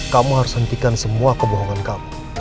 kamu harus hentikan semua kebohongan kamu